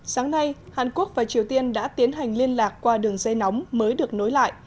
sáng nay hàn quốc và triều tiên đã tiến hành liên lạc qua đường dây nóng mới được nối lại